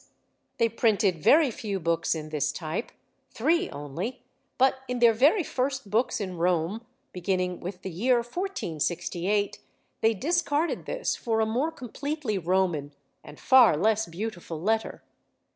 They printed very few books in this type, three only; but in their very first books in Rome, beginning with the year 1468, they discarded this for a more completely Roman and far less beautiful letter.